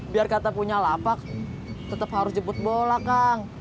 biar kata punya lapak tetap harus jemput bola kang